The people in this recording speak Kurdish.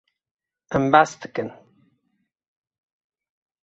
Em behs dikin.